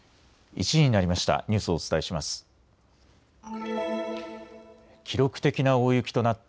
１時になりました。